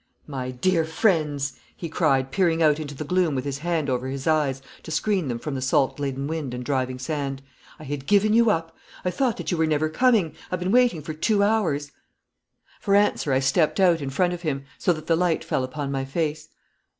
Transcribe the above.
'My dear friends,' he cried, peering out into the gloom with his hand over his eyes to screen them from the salt laden wind and driving sand, 'I had given you up. I thought that you were never coming. I've been waiting for two hours.' For answer I stepped out in front of him, so that the light fell upon my face.